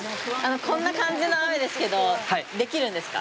こんな感じの雨ですけど、できるんですか？